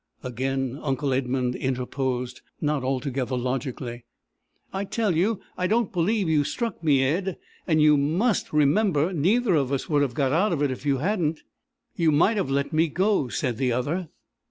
Again uncle Edmund interposed not altogether logically: "I tell you, I don't believe you struck me, Ed! And you must remember, neither of us would have got out if you hadn't!" "You might have let me go!" said the other.